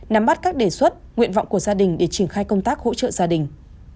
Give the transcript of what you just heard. nắm bắt các đề xuất nguyện vọng của gia đình để triển khai công tác hỗ trợ gia đình